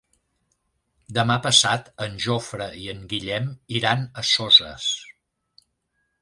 Demà passat en Jofre i en Guillem iran a Soses.